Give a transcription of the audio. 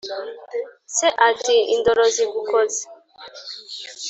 se ati: indoro zigukoze